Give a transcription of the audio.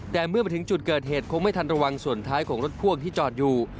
แต่เมื่อมาถึงจุดเกิดเหตุคงไม่ทันระวังส่วนท้ายของรถพ่วงที่จอดอยู่